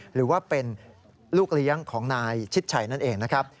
หรือว่าเป็นลูกเลี้ยงของนายชิดชัยนั่นเองนะครับ